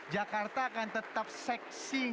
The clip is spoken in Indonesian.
jakarta akan tetap seksi